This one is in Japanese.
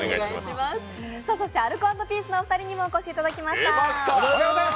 そしてアルコ＆ピースのお二人にもお越しいただきました。